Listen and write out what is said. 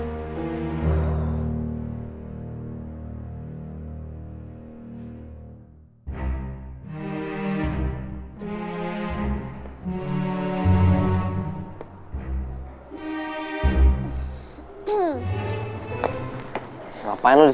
kenapa gue berhenti